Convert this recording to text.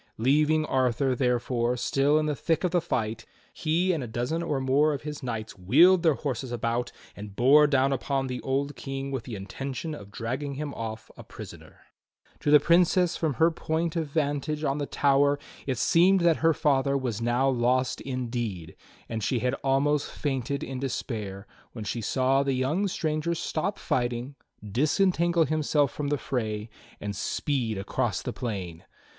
Leaving Arthur, therefore, still in the thick of the fight, he and a dozen or more of his knights wheeled their horses about and bore down upon the old King with the intention of dragging him off a prisoner. To the Princess from her point of vantage "FIRE SPOUTED FROM THE DRAGON'S NOSTRILS"* *St. Michael [Courtesy Braun et Cie.] 32 THE STORY OF KING ARTHUR on the tower it seemed that her father was now lost indeed, and she had almost fainted in despair when she saw the young stranger stop fighting, disentangle himself from the fray, and speed across the plain.